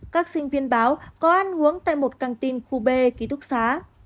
các sinh viên báo có ăn uống tại một căng tin khu b ký túc xá